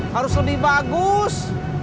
harus lebih bagus